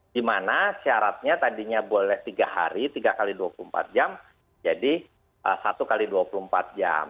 dimana syaratnya tadinya boleh tiga hari tiga x dua puluh empat jam jadi satu x dua puluh empat jam